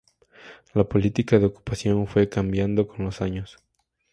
La política de ocupación fue cambiando con los años.